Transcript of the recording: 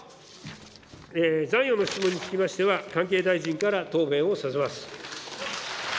残余の質問につきましては、関係大臣から答弁をさせます。